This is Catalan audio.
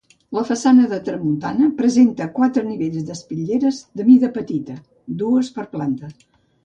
La façana de tramuntana presenta quatre nivells d'espitlleres de mida petita, dues per planta.